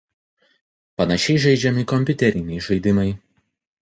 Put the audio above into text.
Panašiai žaidžiami kompiuteriniai žaidimai.